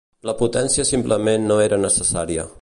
La potència simplement no era necessària.